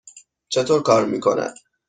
چطور کار می کند؟